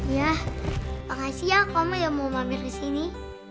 iya makasih ya kamu yang mau mampir kesini